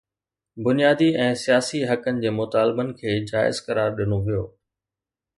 بنيادي ۽ سياسي حقن جي مطالبن کي جائز قرار ڏنو ويو.